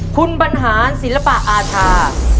คุณบรรหารศิลปะอาธา